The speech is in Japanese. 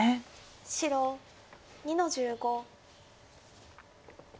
白２の十五。